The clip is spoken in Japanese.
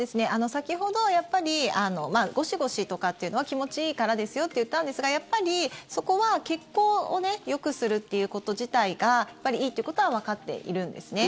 先ほどゴシゴシとかというのは気持ちいいからですよと言ったんですがやっぱりそこは血行をよくするということ自体がいいということはわかっているんですね。